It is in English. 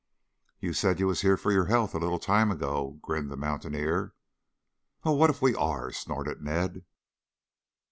"You said you was here for your health, a little time ago," grinned the mountaineer. "Well, what if we are?" snorted Ned.